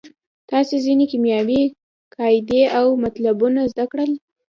تاسې ځینې کیمیاوي قاعدې او مطلبونه زده کړل.